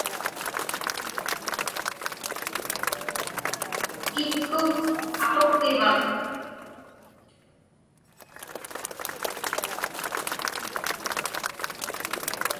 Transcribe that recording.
Kitkuk aquppivak?